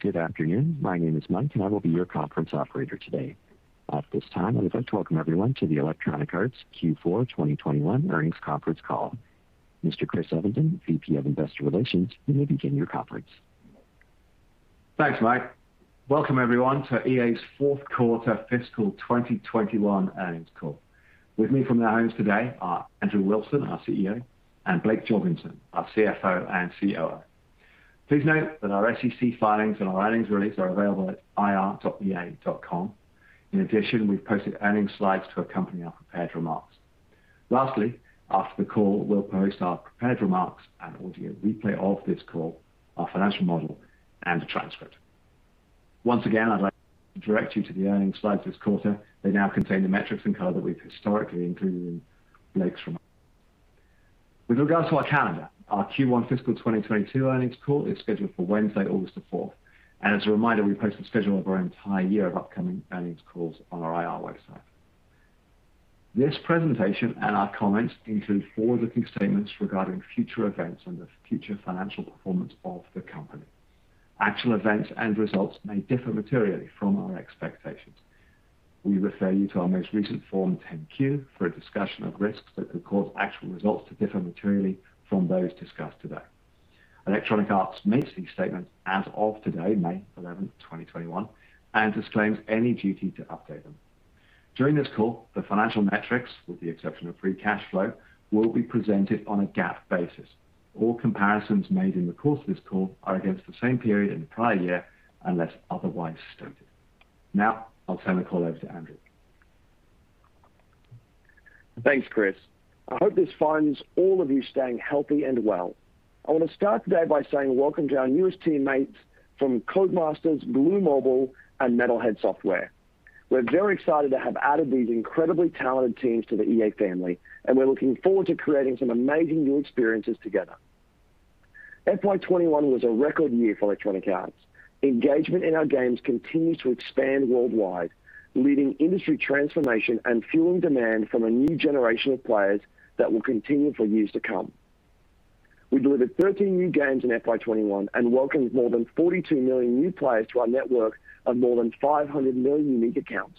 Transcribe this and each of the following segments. Good afternoon. My name is Mike, and I will be your conference operator today. At this time, I would like to welcome everyone to the Electronic Arts Q4 2021 earnings conference call. Mr. Chris Evenden, VP of Investor Relations, you may begin your conference. Thanks, Mike. Welcome, everyone, to EA's fourth quarter fiscal 2021 earnings call. With me from their homes today are Andrew Wilson, our CEO, and Blake Jorgensen, our CFO and COO. Please note that our SEC filings and our earnings releases are available at ir.ea.com. In addition, we've posted earnings slides to accompany our prepared remarks. Lastly, after the call, we'll post our prepared remarks, an audio replay of this call, our financial model, and the transcript. Once again, I'd like to direct you to the earnings slides this quarter. They now contain the metrics and color that we've historically included in Blake's remarks. With regards to our calendar, our Q1 fiscal 2022 earnings call is scheduled for Wednesday, August the 4th. As a reminder, we post the schedule of our entire year of upcoming earnings calls on our IR website. This presentation and our comments include forward-looking statements regarding future events and the future financial performance of the company. Actual events and results may differ materially from our expectations. We refer you to our most recent Form 10-Q for a discussion of risks that could cause actual results to differ materially from those discussed today. Electronic Arts makes these statements as of today, May 11, 2021, and disclaims any duty to update them. During this call, the financial metrics, with the exception of free cash flow, will be presented on a GAAP basis. All comparisons made in the course of this call are against the same period in the prior year, unless otherwise stated. I'll turn the call over to Andrew. Thanks, Chris. I hope this finds all of you staying healthy and well. I want to start today by saying welcome to our newest teammates from Codemasters, Glu Mobile, and Metalhead Software. We're very excited to have added these incredibly talented teams to the EA family, and we're looking forward to creating some amazing new experiences together. FY 2021 was a record year for Electronic Arts. Engagement in our games continues to expand worldwide, leading industry transformation and fueling demand from a new generation of players that will continue for years to come. We delivered 13 new games in FY 2021 and welcomed more than 42 million new players to our network of more than 500 million unique accounts.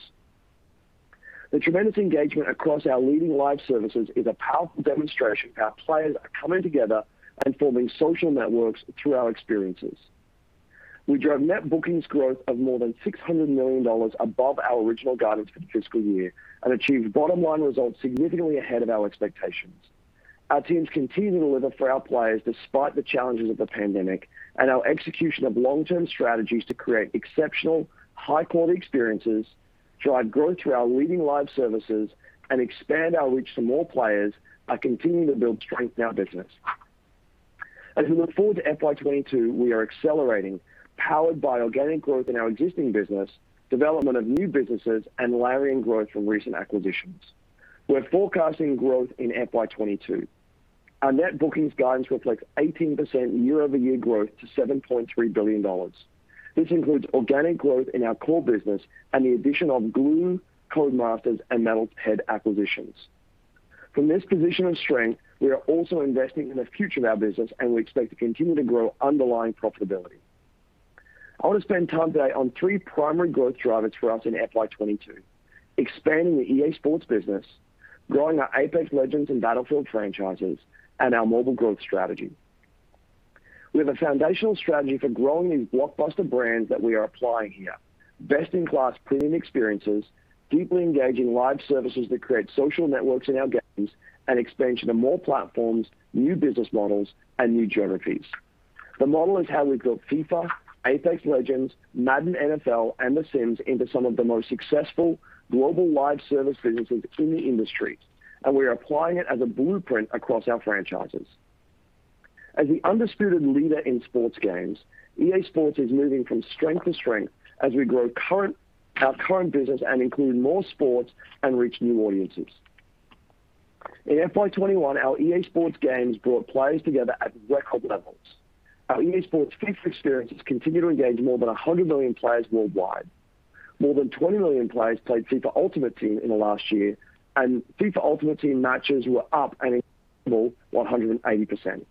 The tremendous engagement across our leading live services is a powerful demonstration our players are coming together and forming social networks through our experiences. We drove net bookings growth of more than $600 million above our original guidance for the fiscal year and achieved bottom-line results significantly ahead of our expectations. Our teams continue to deliver for our players despite the challenges of the pandemic. Our execution of long-term strategies to create exceptional, high-quality experiences, drive growth through our leading live services, and expand our reach to more players are continuing to build strength in our business. As we look forward to FY 2022, we are accelerating, powered by organic growth in our existing business, development of new businesses, and layering growth from recent acquisitions. We're forecasting growth in FY 2022. Our net bookings guidance reflects 18% year-over-year growth to $7.3 billion. This includes organic growth in our core business and the addition of Glu, Codemasters, and Metalhead acquisitions. From this position of strength, we are also investing in the future of our business, and we expect to continue to grow underlying profitability. I want to spend time today on three primary growth drivers for us in FY 2022: expanding the EA Sports business, growing our Apex Legends and Battlefield franchises, and our mobile growth strategy. We have a foundational strategy for growing these blockbuster brands that we are applying here. Best-in-class premium experiences, deeply engaging live services that create social networks in our games, and expansion to more platforms, new business models, and new geographies. The model is how we built FIFA, Apex Legends, Madden NFL, and The Sims into some of the most successful global live service businesses in the industry, and we are applying it as a blueprint across our franchises. As the undisputed leader in sports games, EA Sports is moving from strength to strength as we grow our current business and include more sports and reach new audiences. In FY 2021, our EA Sports games brought players together at record levels. Our EA Sports FIFA experiences continue to engage more than 100 million players worldwide. More than 20 million players played FIFA Ultimate Team in the last year, and FIFA Ultimate Team matches were up an incredible 180%.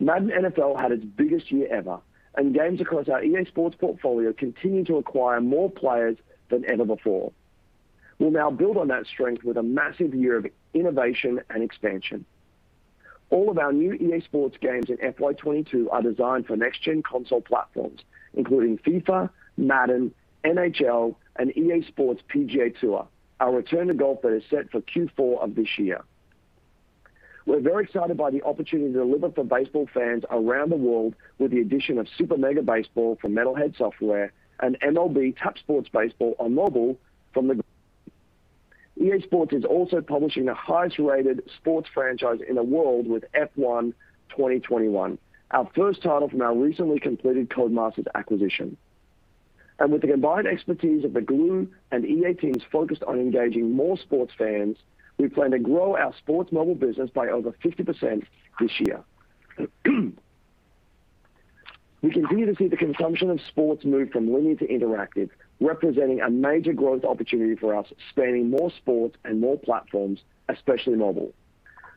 Madden NFL had its biggest year ever, and games across our EA Sports portfolio continue to acquire more players than ever before. We'll now build on that strength with a massive year of innovation and expansion. All of our new EA Sports games in FY 2022 are designed for next-gen console platforms, including FIFA, Madden, NHL, and EA Sports PGA Tour, our return to golf that is set for Q4 of this year. We're very excited by the opportunity to deliver for baseball fans around the world with the addition of Super Mega Baseball from Metalhead Software and MLB Tap Sports Baseball on mobile from the Glu. EA Sports is also publishing the highest-rated sports franchise in the world with F1 2021, our first title from our recently completed Codemasters acquisition. With the combined expertise of the Glu and EA teams focused on engaging more sports fans, we plan to grow our sports mobile business by over 50% this year. We continue to see the consumption of sports move from linear to interactive, representing a major growth opportunity for us, spanning more sports and more platforms, especially mobile.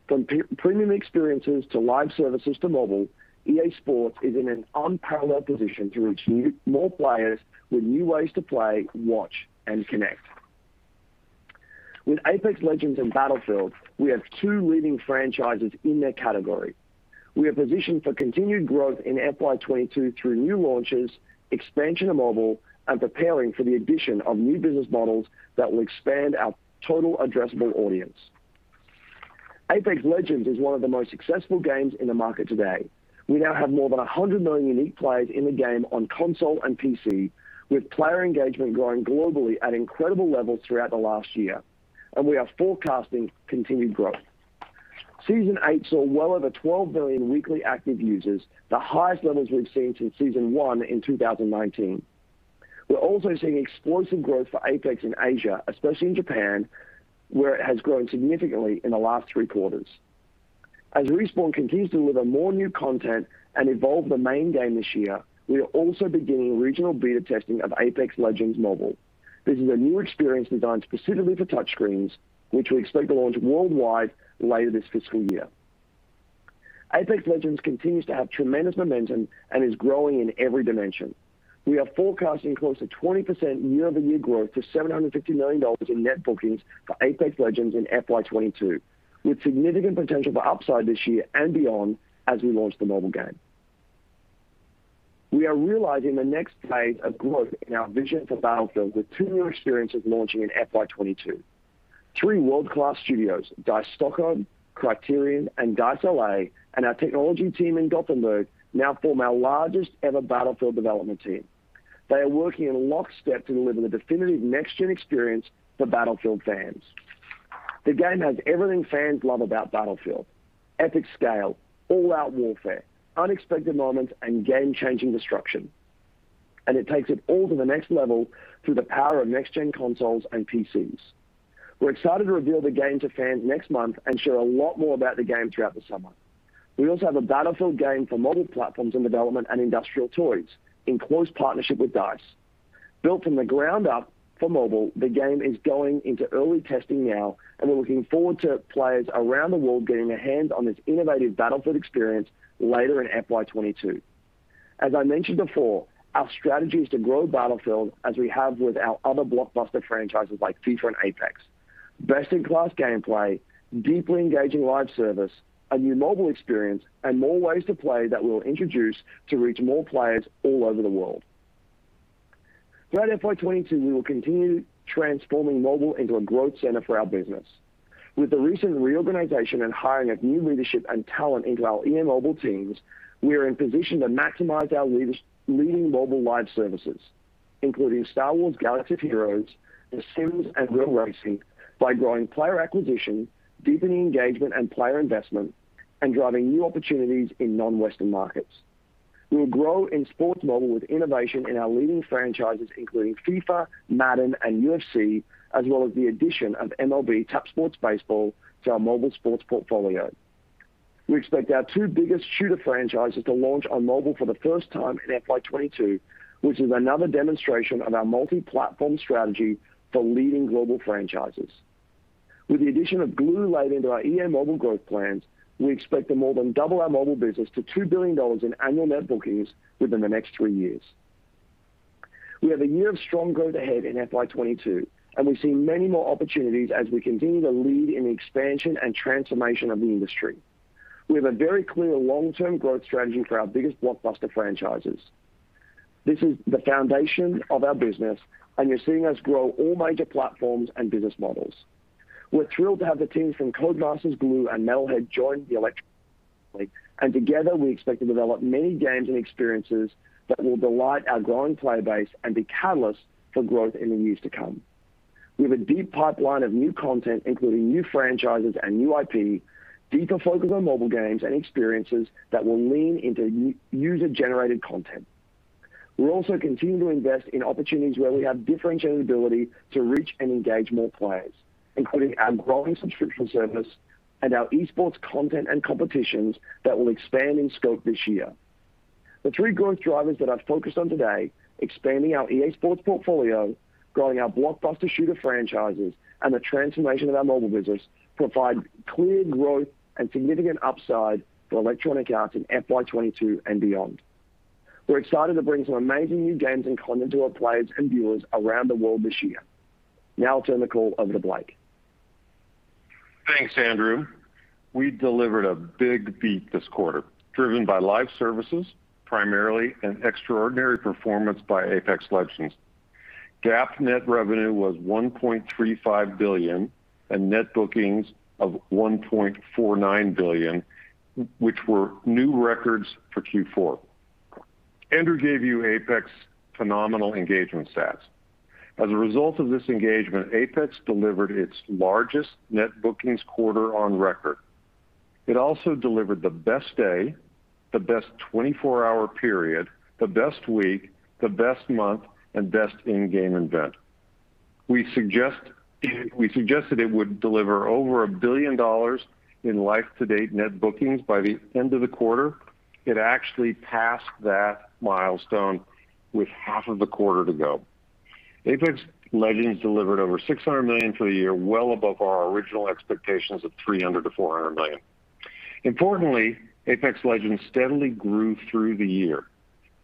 From premium experiences to live services to mobile, EA Sports is in an unparalleled position to reach more players with new ways to play, watch, and connect. With Apex Legends and Battlefield, we have two leading franchises in their category. We are positioned for continued growth in FY 2022 through new launches, expansion to mobile, and preparing for the addition of new business models that will expand our total addressable audience. Apex Legends is one of the most successful games in the market today. We now have more than 100 million unique players in the game on console and PC, with player engagement growing globally at incredible levels throughout the last year. We are forecasting continued growth. Season eight saw well over 12 million weekly active users, the highest levels we've seen since Season 1 in 2019. We're also seeing explosive growth for Apex in Asia, especially in Japan, where it has grown significantly in the last three quarters. As Respawn continues to deliver more new content and evolve the main game this year, we are also beginning regional beta testing of Apex Legends Mobile. This is a new experience designed specifically for touch screens, which we expect to launch worldwide later this fiscal year. Apex Legends continues to have tremendous momentum and is growing in every dimension. We are forecasting close to 20% year-over-year growth to $750 million in net bookings for Apex Legends in FY 2022, with significant potential for upside this year and beyond as we launch the mobile game. We are realizing the next phase of growth in our vision for Battlefield with two new experiences launching in FY 2022. Three world-class studios, DICE Stockholm, Criterion, and DICE LA, and our technology team in Gothenburg, now form our largest ever Battlefield development team. They are working in lockstep to deliver the definitive next-gen experience for Battlefield fans. The game has everything fans love about Battlefield: epic scale, all-out warfare, unexpected moments, and game-changing destruction, and it takes it all to the next level through the power of next-gen consoles and PCs. We're excited to reveal the game to fans next month and share a lot more about the game throughout the summer. We also have a Battlefield game for mobile platforms in development at Industrial Toys in close partnership with DICE. Built from the ground up for mobile, the game is going into early testing now, and we're looking forward to players around the world getting their hands on this innovative Battlefield experience later in FY 2022. As I mentioned before, our strategy is to grow Battlefield as we have with our other blockbuster franchises like FIFA and Apex. Best-in-class gameplay, deeply engaging live service, a new mobile experience, and more ways to play that we'll introduce to reach more players all over the world. Throughout FY 2022, we will continue transforming mobile into a growth center for our business. With the recent reorganization and hiring of new leadership and talent into our EA mobile teams, we are in position to maximize our leading mobile live services, including Star Wars: Galaxy of Heroes, The Sims, and Real Racing, by growing player acquisition, deepening engagement and player investment, and driving new opportunities in non-Western markets. We will grow in sports mobile with innovation in our leading franchises, including FIFA, Madden, and UFC, as well as the addition of MLB Tap Sports Baseball to our mobile sports portfolio. We expect our two biggest shooter franchises to launch on mobile for the first time in FY 2022, which is another demonstration of our multi-platform strategy for leading global franchises. With the addition of Glu later into our EA Mobile growth plans, we expect to more than double our mobile business to $2 billion in annual net bookings within the next three years. We have a year of strong growth ahead in FY 2022. We see many more opportunities as we continue to lead in the expansion and transformation of the industry. We have a very clear long-term growth strategy for our biggest blockbuster franchises. This is the foundation of our business. You're seeing us grow all major platforms and business models. We're thrilled to have the teams from Codemasters, Glu, and Metalhead join the and together, we expect to develop many games and experiences that will delight our growing player base and be catalysts for growth in the years to come. We have a deep pipeline of new content, including new franchises and new IP, deeper focus on mobile games and experiences that will lean into user-generated content. We'll also continue to invest in opportunities where we have differentiability to reach and engage more players, including our growing subscription service and our esports content and competitions that will expand in scope this year. The three growth drivers that I've focused on today, expanding our EA Sports portfolio, growing our blockbuster shooter franchises, and the transformation of our mobile business, provide clear growth and significant upside for Electronic Arts in FY 2022 and beyond. We're excited to bring some amazing new games and content to our players and viewers around the world this year. I'll turn the call over to Blake. Thanks, Andrew. We delivered a big beat this quarter, driven by live services, primarily an extraordinary performance by Apex Legends. GAAP net revenue was $1.35 billion and net bookings of $1.49 billion, which were new records for Q4. Andrew gave you Apex phenomenal engagement stats. As a result of this engagement, Apex delivered its largest net bookings quarter on record. It also delivered the best day, the best 24-hour period, the best week, the best month, and best in-game event. We suggested it would deliver over $1 billion in life-to-date net bookings by the end of the quarter. It actually passed that milestone with half of the quarter to go. Apex Legends delivered over $600 million for the year, well above our original expectations of $300 million-$400 million. Importantly, Apex Legends steadily grew through the year.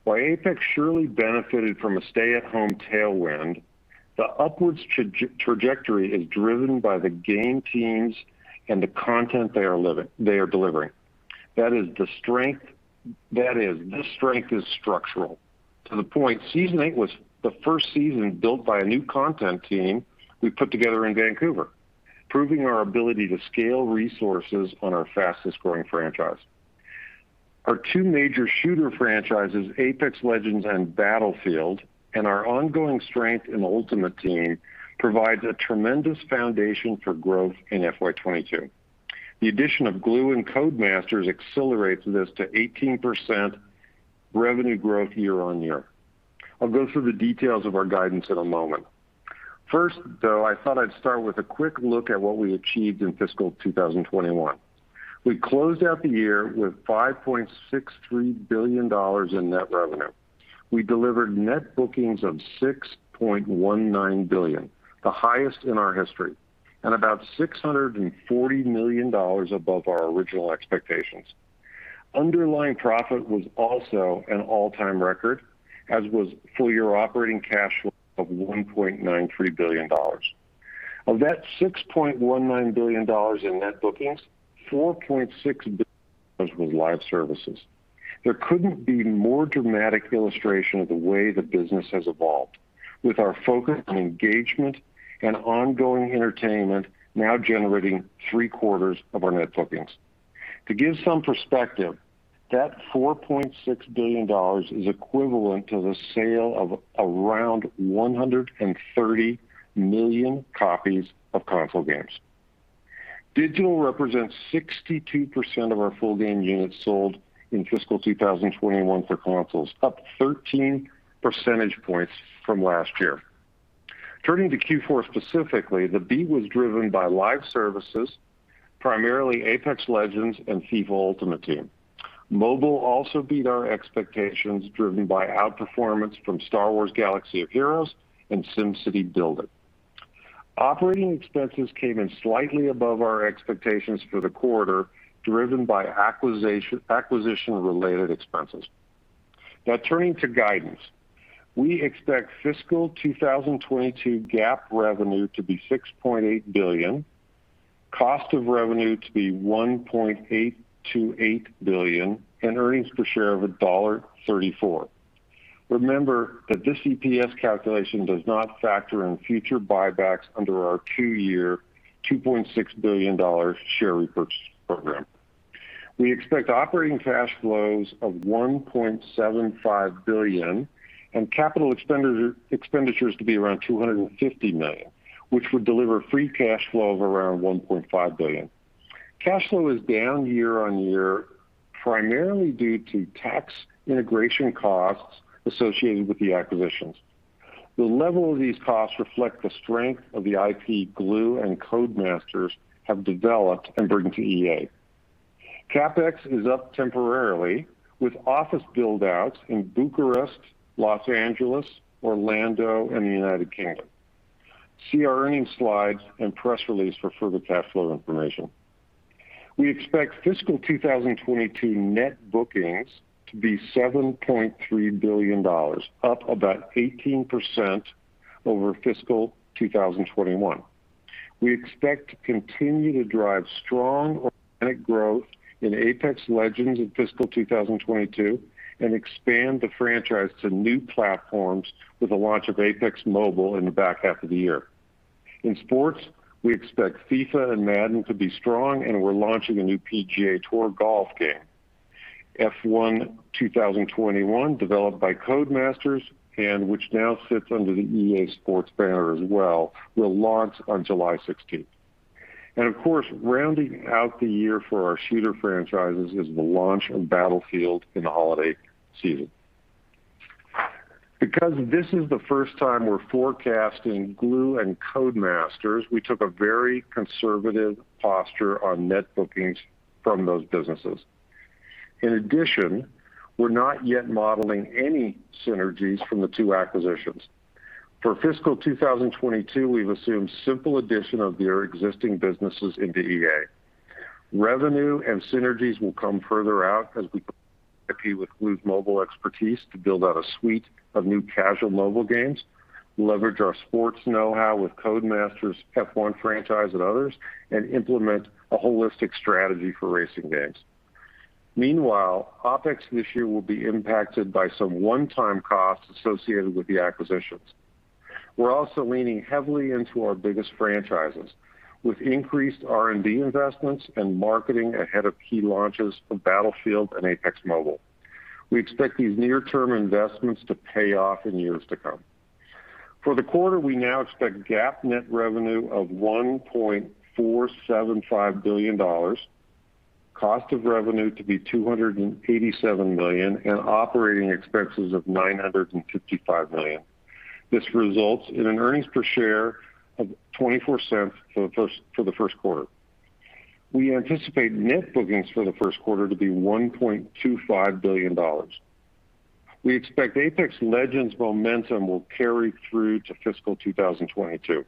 While Apex surely benefited from a stay-at-home tailwind, the upwards trajectory is driven by the game teams and the content they are delivering. That is, this strength is structural. To the point, Season eight was the first season built by a new content team we put together in Vancouver, proving our ability to scale resources on our fastest-growing franchise. Our two major shooter franchises, Apex Legends and Battlefield, and our ongoing strength in Ultimate Team, provides a tremendous foundation for growth in FY 2022. The addition of Glu and Codemasters accelerates this to 18% revenue growth year-on-year. I'll go through the details of our guidance in a moment. First, though, I thought I'd start with a quick look at what we achieved in fiscal 2021. We closed out the year with $5.63 billion in net revenue. We delivered net bookings of $6.19 billion, the highest in our history, and about $640 million above our original expectations. Underlying profit was also an all-time record, as was full-year operating cash flow of $1.93 billion. Of that $6.19 billion in net bookings, $4.6 billion was live services. There couldn't be more dramatic illustration of the way the business has evolved, with our focus on engagement and ongoing entertainment now generating three-quarters of our net bookings. To give some perspective, that $4.6 billion is equivalent to the sale of around 130 million copies of console games. Digital represents 62% of our full game units sold in fiscal 2021 for consoles, up 13 percentage points from last year. Turning to Q4 specifically, the beat was driven by live services, primarily Apex Legends and FIFA Ultimate Team. Mobile also beat our expectations, driven by outperformance from Star Wars: Galaxy of Heroes and SimCity BuildIt. Operating expenses came in slightly above our expectations for the quarter, driven by acquisition-related expenses. Turning to guidance. We expect fiscal 2022 GAAP revenue to be $6.8 billion, cost of revenue to be $1.828 billion, and earnings per share of $1.34. Remember that this EPS calculation does not factor in future buybacks under our two-year, $2.6 billion share repurchase program. We expect operating cash flows of $1.75 billion and capital expenditures to be around $250 million, which would deliver free cash flow of around $1.5 billion. Cash flow is down year-over-year, primarily due to tax integration costs associated with the acquisitions. The level of these costs reflect the strength of the IP Glu and Codemasters have developed and bring to EA. CapEx is up temporarily with office build-outs in Bucharest, L.A., Orlando, and the U.K. See our earnings slides and press release for further cash flow information. We expect fiscal 2022 net bookings to be $7.3 billion, up about 18% over fiscal 2021. We expect to continue to drive strong organic growth in Apex Legends in fiscal 2022 and expand the franchise to new platforms with the launch of Apex Mobile in the back half of the year. In sports, we expect FIFA and Madden to be strong, and we're launching a new PGA Tour golf game. F1 2021, developed by Codemasters, and which now sits under the EA Sports banner as well, will launch on July 16th. Of course, rounding out the year for our shooter franchises is the launch of Battlefield in the holiday season. Because this is the first time we're forecasting Glu and Codemasters, we took a very conservative posture on net bookings from those businesses. In addition, we're not yet modeling any synergies from the two acquisitions. For fiscal 2022, we've assumed simple addition of their existing businesses into EA. Revenue and synergies will come further out as we IP with Glu's mobile expertise to build out a suite of new casual mobile games, leverage our sports know-how with Codemasters' F1 franchise and others, and implement a holistic strategy for racing games. Meanwhile, OpEx this year will be impacted by some one-time costs associated with the acquisitions. We're also leaning heavily into our biggest franchises, with increased R&D investments and marketing ahead of key launches of Battlefield and Apex Mobile. We expect these near-term investments to pay off in years to come. For the quarter, we now expect GAAP net revenue of $1.475 billion, cost of revenue to be $287 million, and operating expenses of $955 million. This results in an earnings per share of $0.24 for the first quarter. We anticipate net bookings for the first quarter to be $1.25 billion. We expect Apex Legends momentum will carry through to fiscal 2022.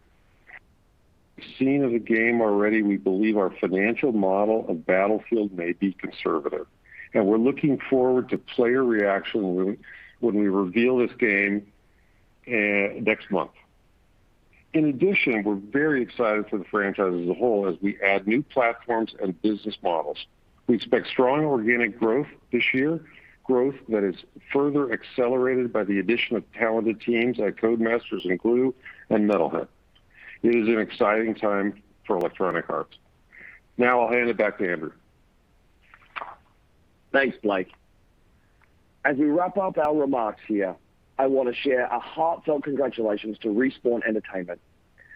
As seen in the game already, we believe our financial model of Battlefield may be conservative, and we're looking forward to player reaction when we reveal this game next month. In addition, we're very excited for the franchise as a whole as we add new platforms and business models. We expect strong organic growth this year, growth that is further accelerated by the addition of talented teams at Codemasters and Glu and Metalhead. It is an exciting time for Electronic Arts. Now I'll hand it back to Andrew. Thanks, Blake. As we wrap up our remarks here, I want to share a heartfelt congratulations to Respawn Entertainment.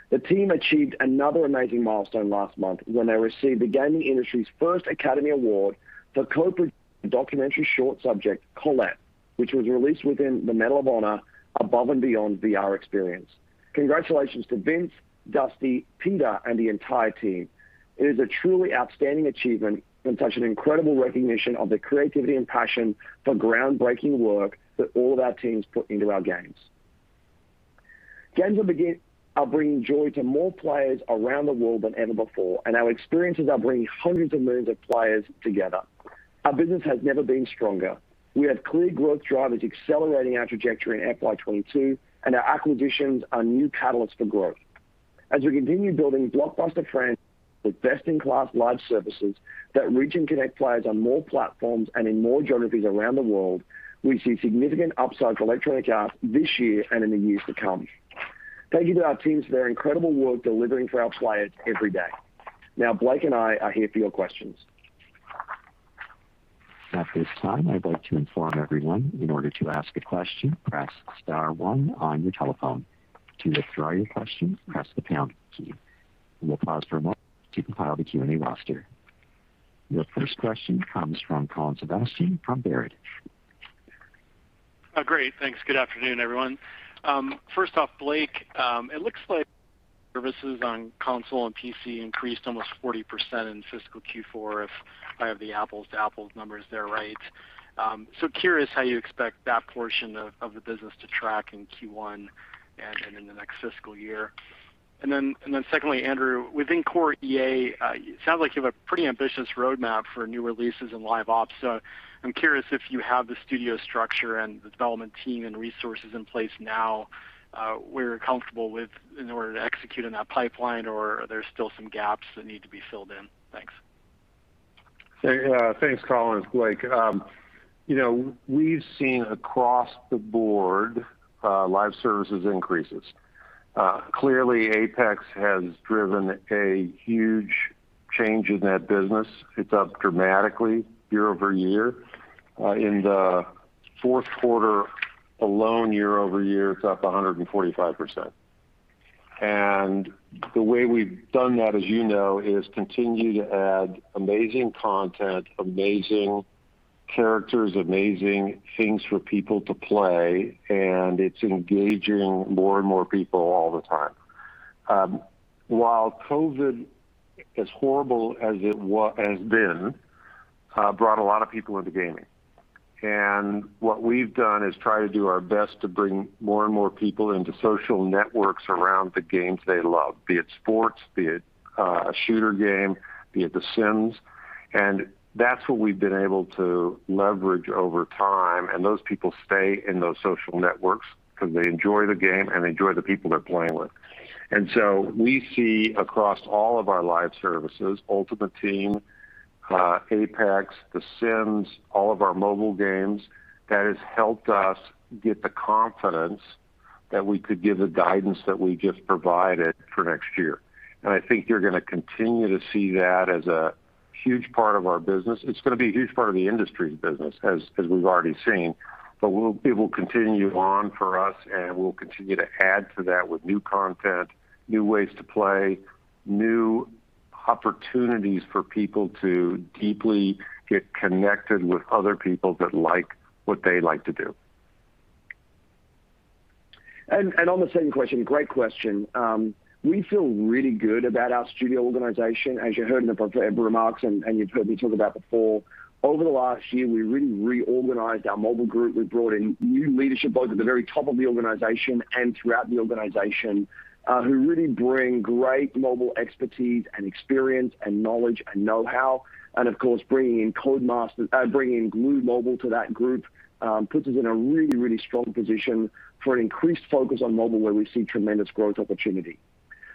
The team achieved another amazing milestone last month when they received the gaming industry's first Academy Award for co-produced documentary short subject, Colette, which was released within the Medal of Honor: Above and Beyond VR experience. Congratulations to Vince, Dusty, Peter, and the entire team. It is a truly outstanding achievement and such an incredible recognition of the creativity and passion for groundbreaking work that all of our teams put into our games. Games are bringing joy to more players around the world than ever before, and our experiences are bringing hundreds of millions of players together. Our business has never been stronger. We have clear growth drivers accelerating our trajectory in FY 2022, and our acquisitions are new catalysts for growth. As we continue building blockbuster franchises with best-in-class live services that reach and connect players on more platforms and in more geographies around the world, we see significant upside for Electronic Arts this year and in the years to come. Thank you to our teams for their incredible work delivering for our players every day. Blake and I are here for your questions. At this time, I'd like to inform everyone, in order to ask a question, press star one on your telephone. To withdraw your question, press the pound key. We will pause for a moment to compile the Q&A roster. Your first question comes from Colin Sebastian from Baird. Great. Thanks. Good afternoon, everyone. First off, Blake, it looks like services on console and PC increased almost 40% in fiscal Q4 if I have the apples-to-apples numbers there right. Secondly, Andrew, within core EA, it sounds like you have a pretty ambitious roadmap for new releases and live ops. I'm curious if you have the studio structure and the development team and resources in place now where you're comfortable with in order to execute on that pipeline, or are there still some gaps that need to be filled in? Thanks. Thanks, Colin. It's Blake. We've seen across the board live services increases. Clearly, Apex has driven a huge change in that business. It's up dramatically year-over-year. In the fourth quarter alone, year-over-year, it's up 145%. The way we've done that, as you know, is continue to add amazing content, amazing characters, amazing things for people to play, and it's engaging more and more people all the time. While COVID, as horrible as it has been, brought a lot of people into gaming. What we've done is try to do our best to bring more and more people into social networks around the games they love, be it sports, be it a shooter game, be it The Sims. That's what we've been able to leverage over time, and those people stay in those social networks because they enjoy the game and enjoy the people they're playing with. We see across all of our live services, Ultimate Team, Apex, The Sims, all of our mobile games, that has helped us get the confidence that we could give the guidance that we just provided for next year. I think you're going to continue to see that as a huge part of our business. It's going to be a huge part of the industry's business as we've already seen. It will continue on for us, and we'll continue to add to that with new content, new ways to play, new opportunities for people to deeply get connected with other people that like what they like to do. On the second question, great question. We feel really good about our studio organization. As you heard in the remarks and you've heard me talk about before, over the last year, we really reorganized our mobile group. We brought in new leadership, both at the very top of the organization and throughout the organization, who really bring great mobile expertise and experience and knowledge and know-how. Of course, bringing in Glu Mobile to that group puts us in a really, really strong position for an increased focus on mobile where we see tremendous growth opportunity.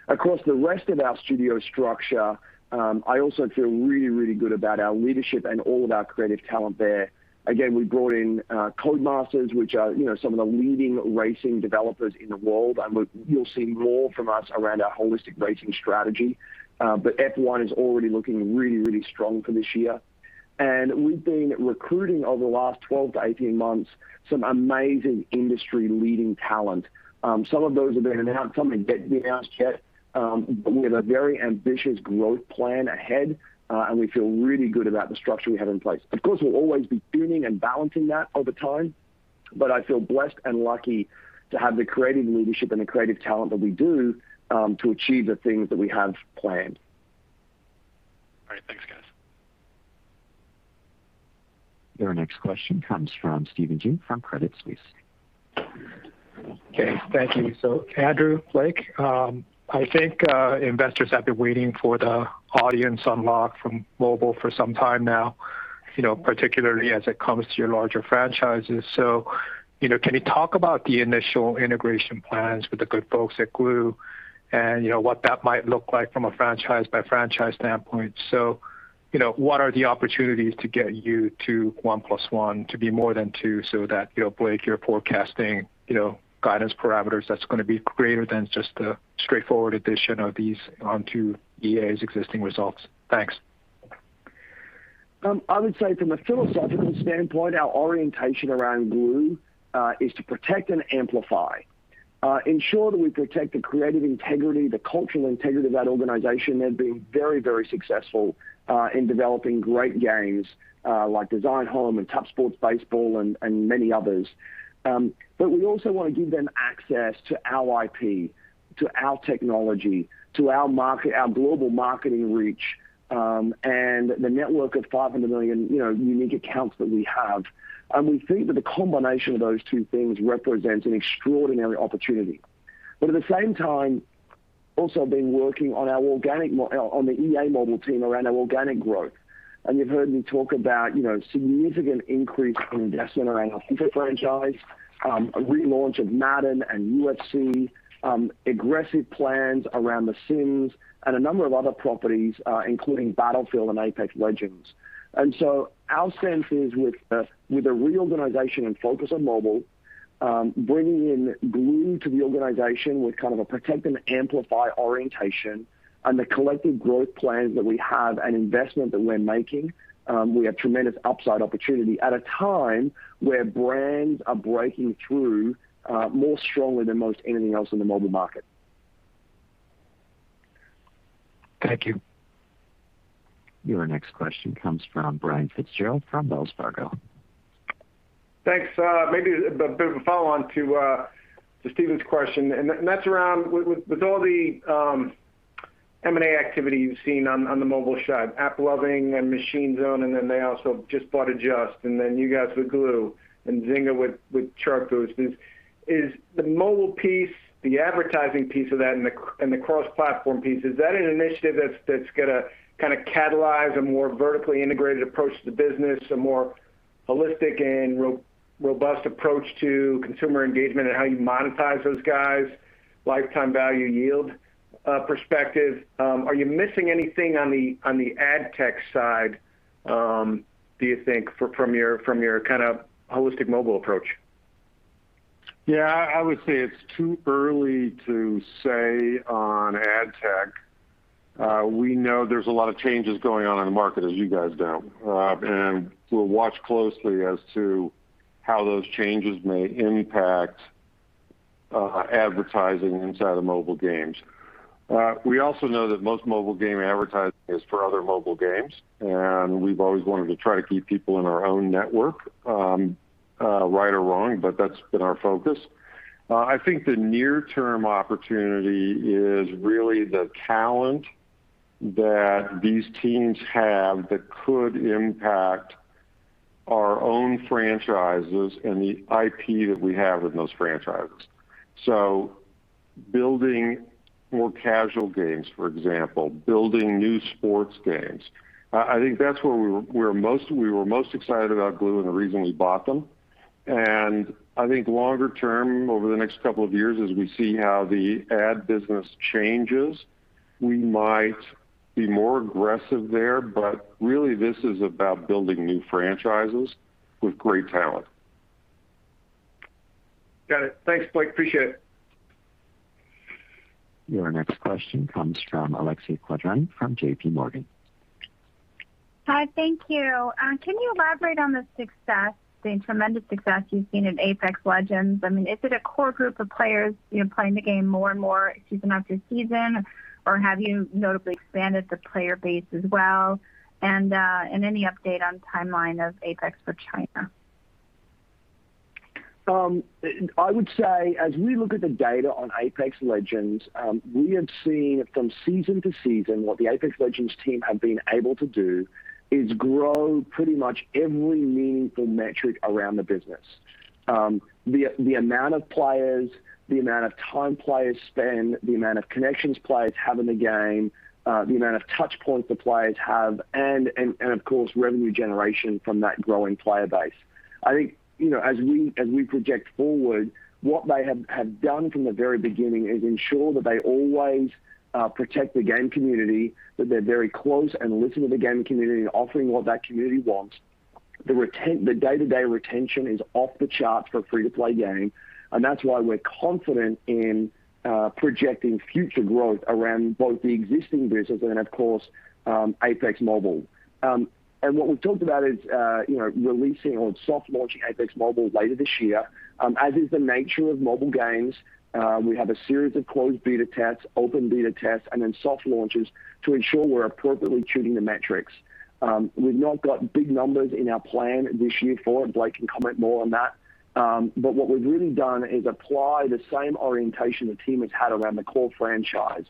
Across the rest of our studio structure, I also feel really, really good about our leadership and all of our creative talent there. Again, we brought in Codemasters, which are some of the leading racing developers in the world, and you'll see more from us around our holistic racing strategy. F1 is already looking really strong for this year. We've been recruiting over the last 12-18 months some amazing industry-leading talent. Some of those have been announced, some haven't been announced yet. We have a very ambitious growth plan ahead, and we feel really good about the structure we have in place. Of course, we'll always be tuning and balancing that over time. I feel blessed and lucky to have the creative leadership and the creative talent that we do to achieve the things that we have planned. All right. Thanks, guys. Your next question comes from Stephen Ju from Credit Suisse. Okay. Thank you. Andrew, Blake, I think investors have been waiting for the audience unlock from mobile for some time now, particularly as it comes to your larger franchises. Can you talk about the initial integration plans with the good folks at Glu, and what that might look like from a franchise-by-franchise standpoint? What are the opportunities to get you to one plus one to be more than two so that, Blake, you're forecasting guidance parameters that's going to be greater than just the straightforward addition of these onto EA's existing results. Thanks. I would say from a philosophical standpoint, our orientation around Glu is to protect and amplify. Ensure that we protect the creative integrity, the cultural integrity of that organization. They've been very, very successful in developing great games like Design Home and Tap Sports Baseball and many others. We also want to give them access to our IP, to our technology, to our global marketing reach, and the network of 500 million unique accounts that we have. We think that the combination of those two things represents an extraordinary opportunity. At the same time, also been working on the EA mobile team around our organic growth. You've heard me talk about significant increase in investment around our FIFA franchise, a relaunch of Madden and UFC, aggressive plans around The Sims and a number of other properties including Battlefield and Apex Legends. Our sense is with the reorganization and focus on mobile, bringing in Glu to the organization with kind of a protect and amplify orientation and the collective growth plans that we have and investment that we're making, we have tremendous upside opportunity at a time where brands are breaking through more strongly than most anything else in the mobile market. Thank you. Your next question comes from Brian Fitzgerald from Wells Fargo. Thanks. Maybe a bit of a follow-on to Stephen Ju's question, and that's around with all the M&A activity you've seen on the mobile side, AppLovin and Machine Zone, and then they also just bought Adjust, and then you guys with Glu and Zynga with Chartboost. Is the mobile piece the advertising piece of that and the cross-platform piece? Is that an initiative that's going to kind of catalyze a more vertically integrated approach to the business, a more holistic and robust approach to consumer engagement and how you monetize those guys, lifetime value yield perspective? Are you missing anything on the ad tech side, do you think, from your kind of holistic mobile approach? Yeah, I would say it's too early to say on ad tech. We know there's a lot of changes going on in the market as you guys know. We'll watch closely as to how those changes may impact advertising inside of mobile games. We also know that most mobile game advertising is for other mobile games, and we've always wanted to try to keep people in our own network. Right or wrong, but that's been our focus. I think the near-term opportunity is really the talent that these teams have that could impact our own franchises and the IP that we have with those franchises. Building more casual games, for example, building new sports games. I think that's where we were most excited about Glu and the reason we bought them. I think longer term over the next couple of years as we see how the ad business changes, we might be more aggressive there. Really this is about building new franchises with great talent. Got it. Thanks, Blake. Appreciate it. Your next question comes from Alexia Quadrani from JPMorgan. Hi, thank you. Can you elaborate on the tremendous success you've seen in Apex Legends? Is it a core group of players playing the game more and more season after season, or have you notably expanded the player base as well? Any update on timeline of Apex for China? I would say as we look at the data on Apex Legends, we have seen from season to season what the Apex Legends team have been able to do is grow pretty much every meaningful metric around the business. The amount of players, the amount of time players spend, the amount of connections players have in the game, the amount of touch points the players have, and of course revenue generation from that growing player base. I think as we project forward, what they have done from the very beginning is ensure that they always protect the game community, that they're very close and listen to the game community and offering what that community wants. That's why we're confident in projecting future growth around both the existing business and then of course, Apex Mobile. What we've talked about is releasing or soft launching Apex Mobile later this year. As is the nature of mobile games, we have a series of closed beta tests, open beta tests, and then soft launches to ensure we're appropriately tuning the metrics. We've not got big numbers in our plan this year for it. Blake can comment more on that. What we've really done is apply the same orientation the team has had around the core franchise,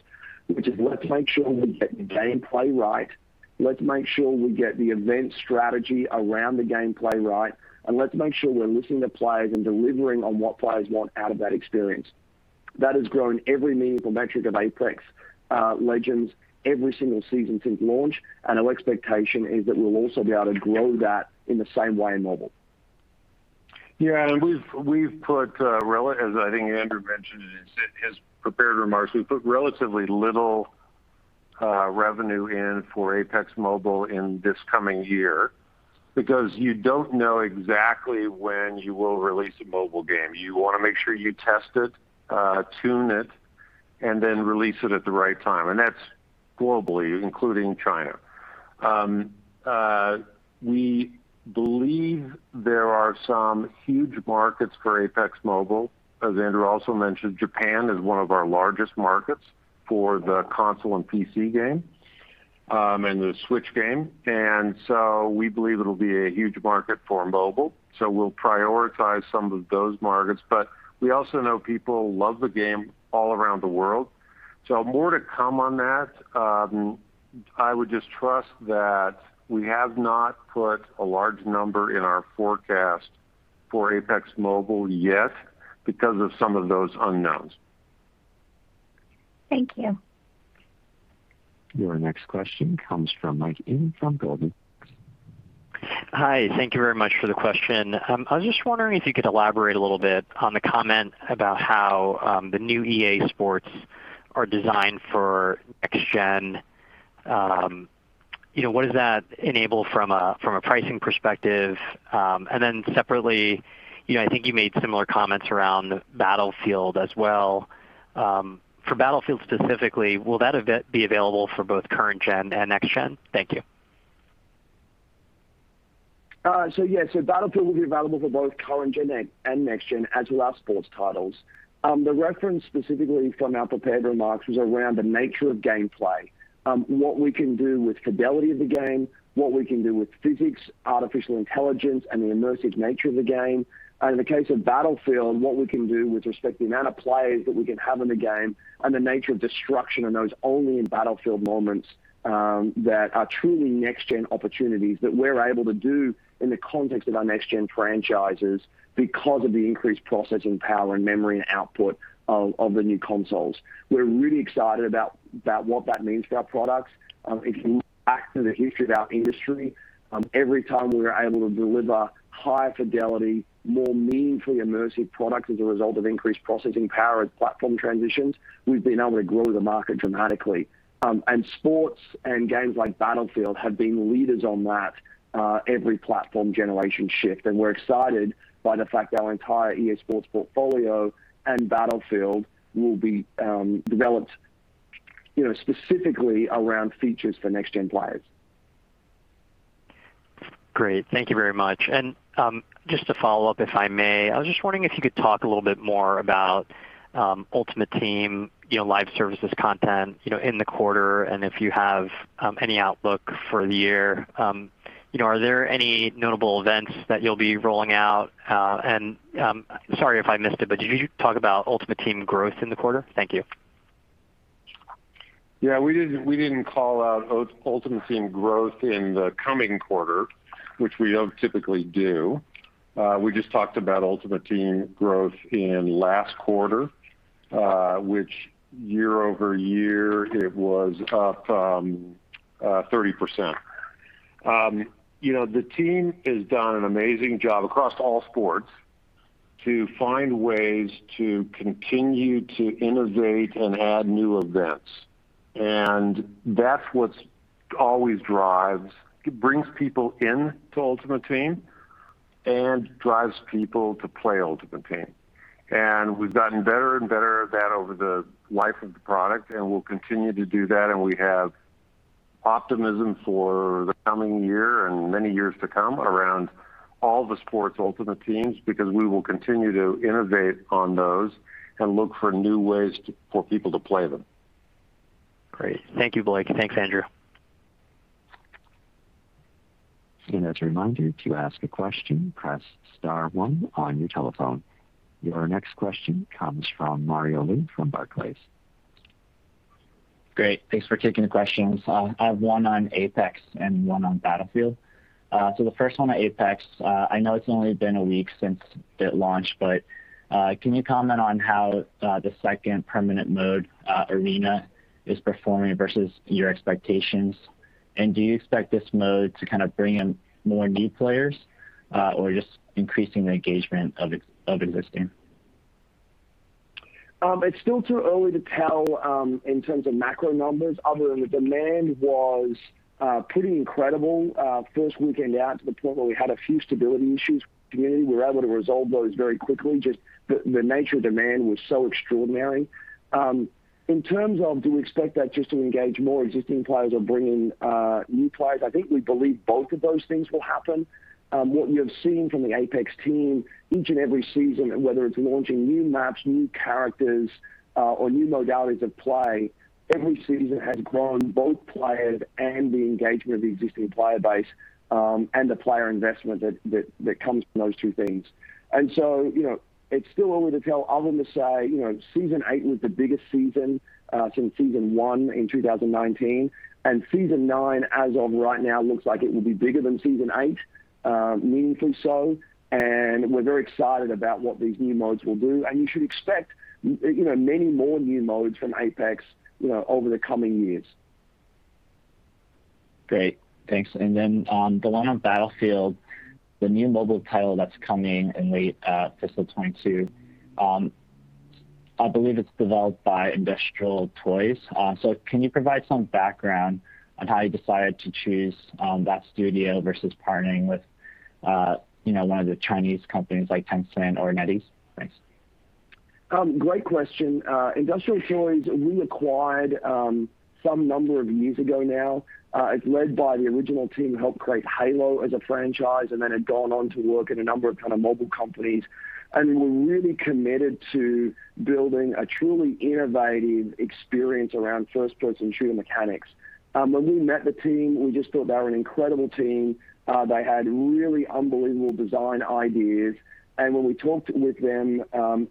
which is, let's make sure we get the gameplay right, let's make sure we get the event strategy around the gameplay right, and let's make sure we're listening to players and delivering on what players want out of that experience. That has grown every meaningful metric of Apex Legends every single season since launch. Our expectation is that we'll also be able to grow that in the same way in Mobile. We've put, as I think Andrew mentioned in his prepared remarks, we've put relatively little revenue in for Apex Mobile in this coming year because you don't know exactly when you will release a mobile game. You want to make sure you test it, tune it, and then release it at the right time, and that's globally, including China. We believe there are some huge markets for Apex Mobile. As Andrew also mentioned, Japan is one of our largest markets for the console and PC game, and the Switch game. We believe it'll be a huge market for Mobile, we'll prioritize some of those markets. We also know people love the game all around the world. More to come on that. I would just trust that we have not put a large number in our forecast for Apex Mobile yet because of some of those unknowns. Thank you. Your next question comes from Mike Ng from Goldman Sachs. Hi. Thank you very much for the question. I was just wondering if you could elaborate a little bit on the comment about how the new EA Sports are designed for next gen. What does that enable from a pricing perspective? Separately, I think you made similar comments around Battlefield as well. For Battlefield specifically, will that be available for both current gen and next gen? Thank you. Yeah. Battlefield will be available for both current gen and next gen, as will our sports titles. The reference specifically from our prepared remarks was around the nature of gameplay. What we can do with fidelity of the game, what we can do with physics, artificial intelligence, and the immersive nature of the game. In the case of Battlefield, what we can do with respect to the amount of players that we can have in the game and the nature of destruction and those only in Battlefield moments that are truly next-gen opportunities that we're able to do in the context of our next-gen franchises because of the increased processing power and memory and output of the new consoles. We're really excited about what that means for our products. If you look back through the history of our industry, every time we were able to deliver higher fidelity, more meaningfully immersive product as a result of increased processing power and platform transitions, we've been able to grow the market dramatically. Sports and games like Battlefield have been leaders on that every platform generation shift, and we're excited by the fact our entire EA Sports portfolio and Battlefield will be developed specifically around features for next-gen players. Great. Thank you very much. Just to follow up, if I may. I was just wondering if you could talk a little bit more about Ultimate Team live services content in the quarter, and if you have any outlook for the year. Are there any notable events that you'll be rolling out? Sorry if I missed it, but did you talk about Ultimate Team growth in the quarter? Thank you. Yeah, we didn't call out Ultimate Team growth in the coming quarter, which we don't typically do. We just talked about Ultimate Team growth in last quarter, which year-over-year it was up 30%. The team has done an amazing job across all sports to find ways to continue to innovate and add new events. That's what always It brings people in to Ultimate Team and drives people to play Ultimate Team. We've gotten better and better at that over the life of the product, and we'll continue to do that, and we have optimism for the coming year and many years to come around all the sports Ultimate Teams, because we will continue to innovate on those and look for new ways for people to play them. Great. Thank you, Blake. Thanks, Andrew. As a reminder, to ask a question, press star one on your telephone. Your next question comes from Mario Lu from Barclays. Great. Thanks for taking the questions. I have one on Apex and one on Battlefield. The first one on Apex. I know it's only been a week since it launched, but can you comment on how the second permanent mode, Arenas, is performing versus your expectations? Do you expect this mode to kind of bring in more new players, or just increasing the engagement of existing? It's still too early to tell in terms of macro numbers, other than the demand was pretty incredible first weekend out to the point where we had a few stability issues with the community. We were able to resolve those very quickly, just the nature of demand was so extraordinary. In terms of do we expect that just to engage more existing players or bring in new players, I think we believe both of those things will happen. What you have seen from the Apex team each and every season, whether it's launching new maps, new characters, or new modalities of play, every season has grown both players and the engagement of the existing player base, and the player investment that comes from those two things. It's still early to tell other than to say, season eight was the biggest season since season one in 2019. Season nine, as of right now, looks like it will be bigger than season 8. Meaningfully so, and we're very excited about what these new modes will do. You should expect many more new modes from Apex over the coming years. Great. Thanks. On the line of Battlefield, the new mobile title that's coming in late fiscal 2022, I believe it's developed by Industrial Toys. Can you provide some background on how you decided to choose that studio versus partnering with one of the Chinese companies like Tencent or NetEase? Thanks. Great question. Industrial Toys, we acquired some number of years ago now. It's led by the original team who helped create Halo as a franchise and then had gone on to work at a number of mobile companies. We're really committed to building a truly innovative experience around first-person shooter mechanics. When we met the team, we just thought they were an incredible team. They had really unbelievable design ideas. When we talked with them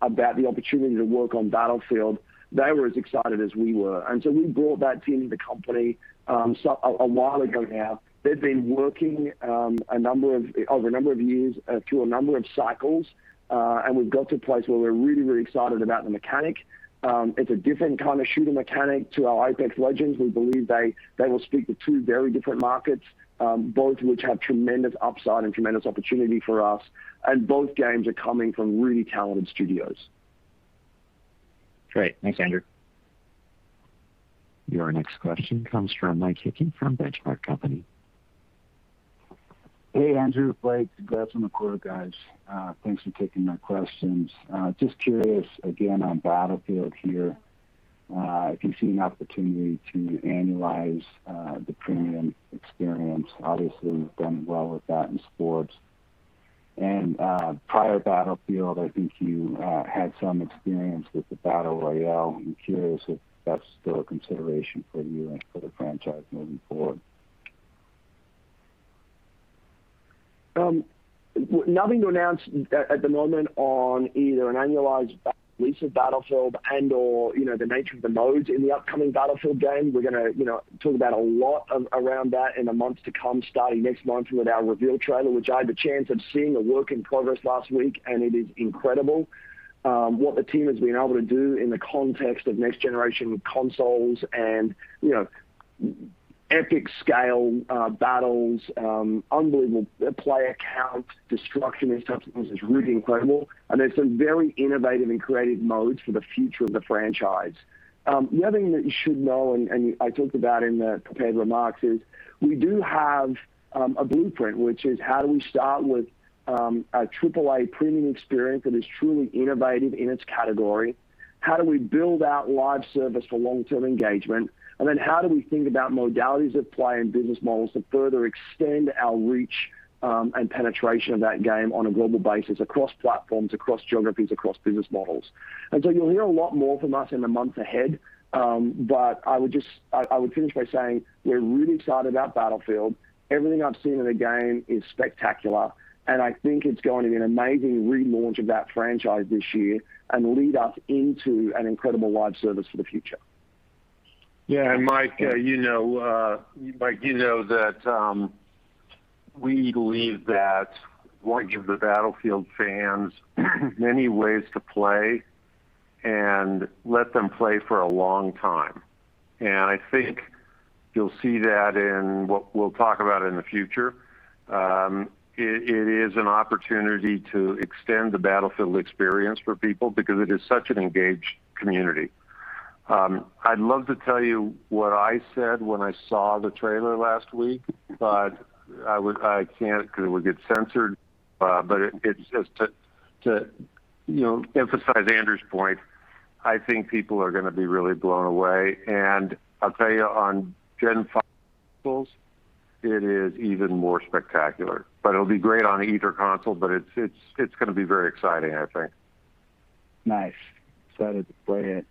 about the opportunity to work on Battlefield, they were as excited as we were. We brought that team into the company a while ago now. They've been working over a number of years through a number of cycles, and we've got to a place where we're really excited about the mechanic. It's a different kind of shooter mechanic to our Apex Legends. We believe they will speak to two very different markets, both of which have tremendous upside and tremendous opportunity for us, and both games are coming from really talented studios. Great. Thanks, Andrew. Your next question comes from Mike Hickey from Benchmark Company. Hey, Andrew, Blake. Congrats on the quarter, guys. Thanks for taking our questions. Just curious again on Battlefield here, if you see an opportunity to annualize the premium experience. Obviously, you've done well with that in sports. Prior to Battlefield, I think you had some experience with the battle royale. I'm curious if that's still a consideration for you and for the franchise moving forward. Nothing to announce at the moment on either an annualized release of Battlefield and/or the nature of the modes in the upcoming Battlefield game. We're going to talk about a lot around that in the months to come, starting next month with our reveal trailer, which I had the chance of seeing a work in progress last week, and it is incredible what the team has been able to do in the context of next-generation consoles and epic-scale battles, unbelievable player count, destruction and stuff. It was just really incredible, and there are some very innovative and creative modes for the future of the franchise. The other thing that you should know, and I talked about in the prepared remarks, is we do have a blueprint, which is how do we start with a AAA premium experience that is truly innovative in its category? How do we build out live service for long-term engagement? How do we think about modalities of play and business models to further extend our reach and penetration of that game on a global basis across platforms, across geographies, across business models? You'll hear a lot more from us in the months ahead, but I would finish by saying we're really excited about "Battlefield." Everything I've seen of the game is spectacular, and I think it's going to be an amazing relaunch of that franchise this year and lead us into an incredible live service for the future. Yeah. Mike, you know that we believe that wanting the Battlefield fans many ways to play and let them play for a long time. I think you'll see that in what we'll talk about in the future. It is an opportunity to extend the Battlefield experience for people because it is such an engaged community. I'd love to tell you what I said when I saw the trailer last week, but I can't because it would get censored. Just to emphasize Andrew's point, I think people are going to be really blown away. I'll tell you, on fifth-generation consoles, it is even more spectacular. It'll be great on either console, but it's going to be very exciting, I think. Nice. Excited to play it.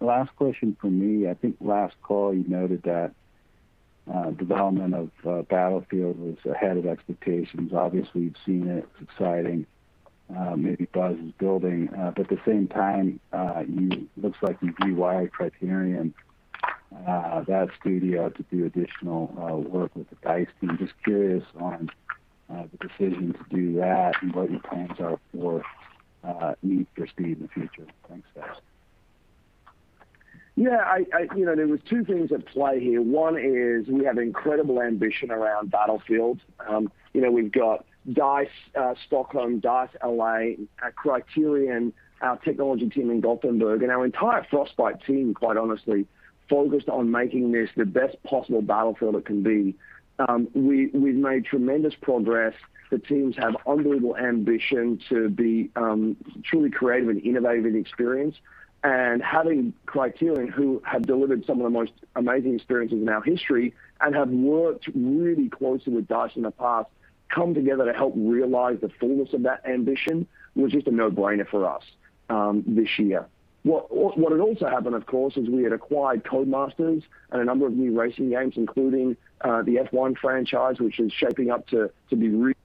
Last question from me. I think last call you noted that development of Battlefield was ahead of expectations. Obviously, we've seen it. It's exciting. Maybe buzz is building. At the same time, looks like you diverted Criterion, that studio, to do additional work with the DICE team. Just curious on the decision to do that and what your plans are for Need for Speed in the future. Thanks, guys. Yeah. There were two things at play here. One is we have incredible ambition around Battlefield. We've got DICE Stockholm, DICE L.A., Criterion, our technology team in Gothenburg, and our entire Frostbite team, quite honestly, focused on making this the best possible Battlefield it can be. We've made tremendous progress. The teams have unbelievable ambition to be truly creative and innovative in experience. Having Criterion, who have delivered some of the most amazing experiences in our history and have worked really closely with DICE in the past, come together to help realize the fullness of that ambition was just a no-brainer for us this year. What had also happened, of course, is we had acquired Codemasters and a number of new racing games, including the F1 franchise, which is shaping up to be really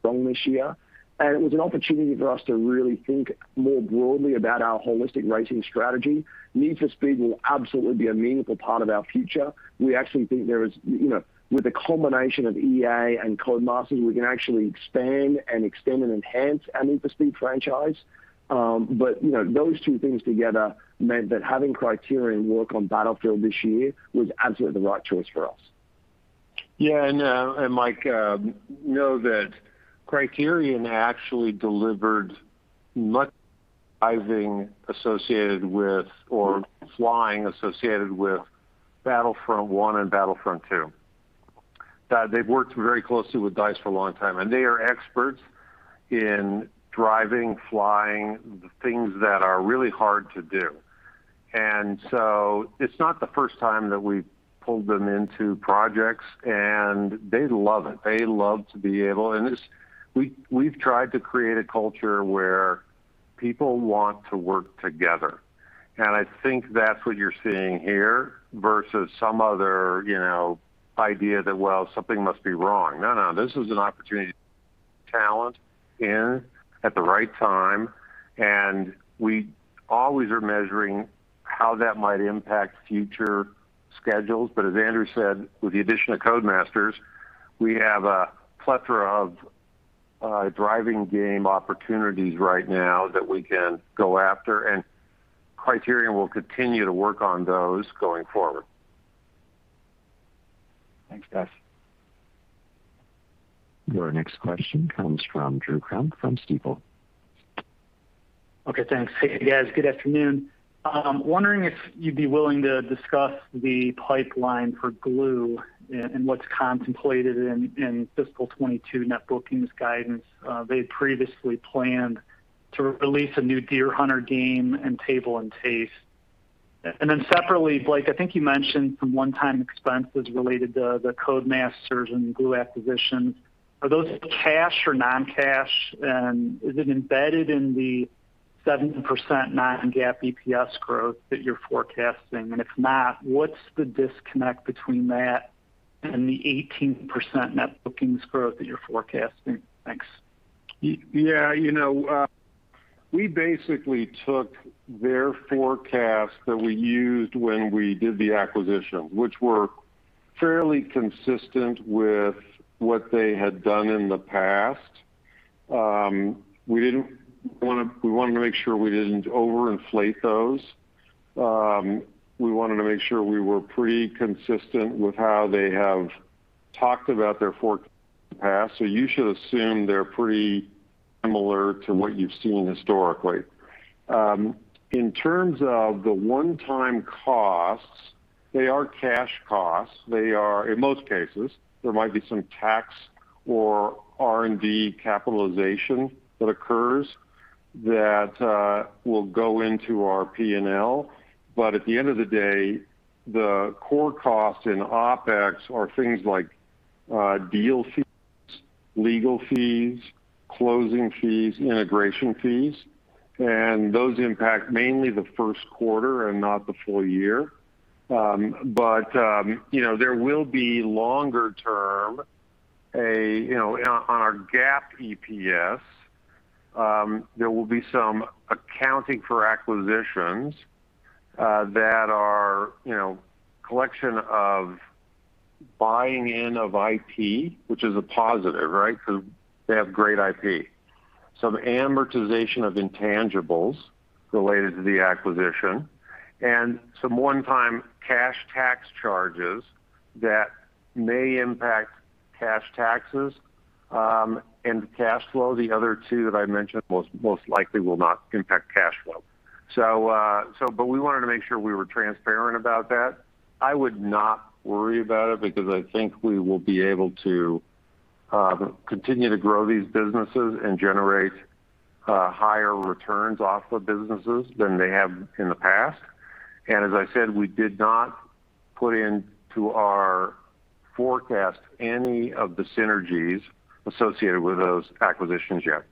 strong this year. It was an opportunity for us to really think more broadly about our holistic racing strategy. Need for Speed will absolutely be a meaningful part of our future. We actually think with the combination of EA and Codemasters, we can actually expand and extend and enhance our Need for Speed franchise. Those two things together meant that having Criterion work on Battlefield this year was absolutely the right choice for us. Yeah. Mike, know that Criterion actually delivered much driving associated with or flying associated with Battlefront 1 and Battlefront 2. That they've worked very closely with DICE for a long time, and they are experts in driving, flying, the things that are really hard to do. It's not the first time that we've pulled them into projects, and they love it. We've tried to create a culture where people want to work together, and I think that's what you're seeing here versus some other idea that, well, something must be wrong. No, this is an opportunity talent in at the right time, and we always are measuring how that might impact future schedules. As Andrew said, with the addition of Codemasters, we have a plethora of driving game opportunities right now that we can go after, and Criterion will continue to work on those going forward. Thanks, guys. Your next question comes from Drew Crum from Stifel. Okay, thanks. Hey, guys. Good afternoon. I'm wondering if you'd be willing to discuss the pipeline for Glu and what's contemplated in fiscal 2022 net bookings guidance. They previously planned to release a new Deer Hunter game and Table & Taste. Separately, Blake, I think you mentioned some one-time expenses related to the Codemasters and Glu acquisitions. Are those cash or non-cash, and is it embedded in the 70% non-GAAP EPS growth that you're forecasting? If not, what's the disconnect between that and the 18% net bookings growth that you're forecasting? Thanks. Yeah. We basically took their forecast that we used when we did the acquisition, which were fairly consistent with what they had done in the past. We wanted to make sure we didn't overinflate those. We wanted to make sure we were pretty consistent with how they have talked about their forecast in the past. You should assume they're pretty similar to what you've seen historically. In terms of the one-time costs, they are cash costs. They are in most cases. There might be some tax or R&D capitalization that occurs that will go into our P&L. At the end of the day, the core costs in OpEx are things like deal fees, legal fees, closing fees, integration fees, and those impact mainly the first quarter and not the full-year. There will be longer term on our GAAP EPS there will be some accounting for acquisitions that are collection of buying in of IP, which is a positive, right? They have great IP. Some amortization of intangibles related to the acquisition and some one-time cash tax charges that may impact cash taxes and cash flow. The other two that I mentioned most likely will not impact cash flow. We wanted to make sure we were transparent about that. I would not worry about it because I think we will be able to continue to grow these businesses and generate higher returns off the businesses than they have in the past. As I said, we did not put into our forecast any of the synergies associated with those acquisitions yet.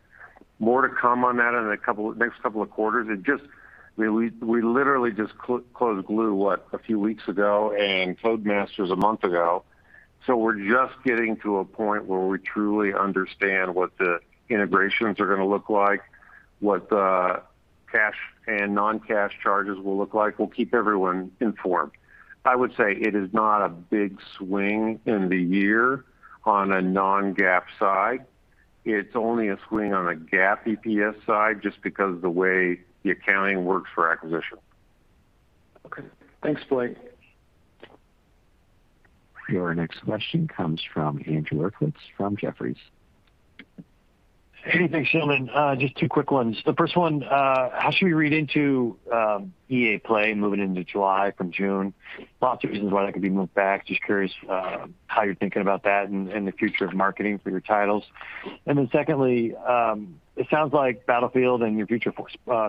More to come on that in the next couple of quarters. We literally just closed Glu, what, a few weeks ago, and Codemasters a month ago. We're just getting to a point where we truly understand what the integrations are going to look like, what the cash and non-cash charges will look like. We'll keep everyone informed. I would say it is not a big swing in the year on a non-GAAP side. It's only a swing on a GAAP EPS side just because of the way the accounting works for acquisition. Okay. Thanks, Blake. Your next question comes from Andrew Uerkwitz from Jefferies. Hey. Thanks, gentlemen. Just two quick ones. The first one, how should we read into EA Play moving into July from June? Lots of reasons why that could be moved back. Just curious how you're thinking about that and the future of marketing for your titles. Secondly, it sounds like Battlefield and your future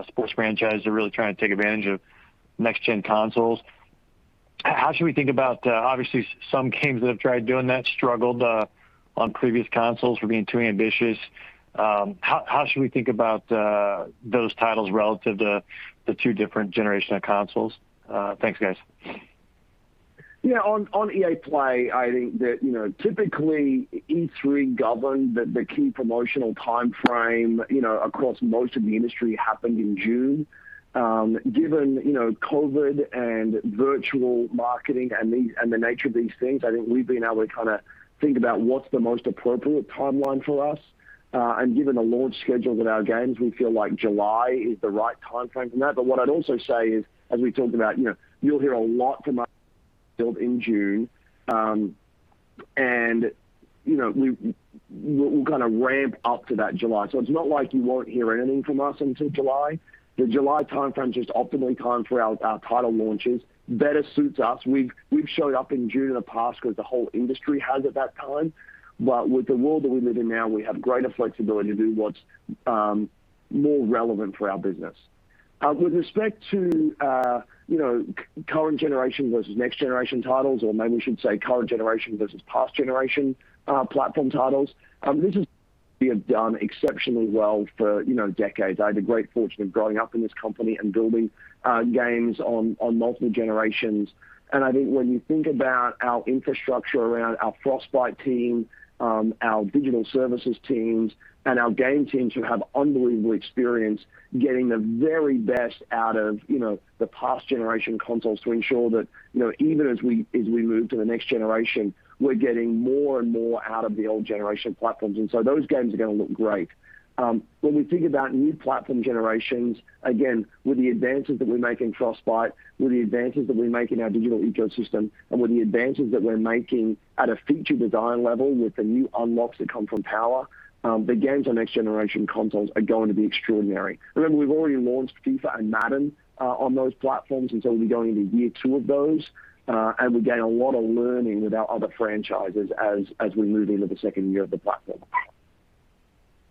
sports franchise are really trying to take advantage of next-gen consoles. How should we think about obviously some games that have tried doing that struggled on previous consoles for being too ambitious? How should we think about those titles relative to the two different generational consoles? Thanks, guys. Yeah. On EA Play, I think that typically E3 governed the key promotional timeframe across most of the industry happened in June. Given COVID and virtual marketing and the nature of these things, I think we've been able to think about what's the most appropriate timeline for us. Given the launch schedule with our games, we feel like July is the right timeframe for that. What I'd also say is, as we talked about, you'll hear a lot from us built in June. We'll ramp up to that July. It's not like you won't hear anything from us until July. The July timeframe is just optimally timed for our title launches, better suits us. We've showed up in June in the past because the whole industry has at that time. With the world that we live in now, we have greater flexibility to do what's more relevant for our business. With respect to current generation versus next generation titles, or maybe we should say current generation versus past generation platform titles, this has been done exceptionally well for decades. I had the great fortune of growing up in this company and building games on multiple generations. I think when you think about our infrastructure around our Frostbite team, our digital services teams, and our game teams who have unbelievable experience getting the very best out of the past generation consoles to ensure that even as we move to the next generation, we're getting more and more out of the old generation platforms. Those games are going to look great. We think about new platform generations, again, with the advances that we make in Frostbite, with the advances that we make in our digital ecosystem, and with the advances that we're making at a feature design level with the new unlocks that come from power the games on next generation consoles are going to be extraordinary. Remember, we've already launched FIFA and Madden on those platforms, we'll be going into year two of those, we gain a lot of learning with our other franchises as we move into the second year of the platform.